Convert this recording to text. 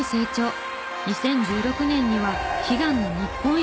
２０１６年には悲願の日本一に！